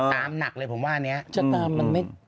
ตามหนักเลยผมว่าอันนี้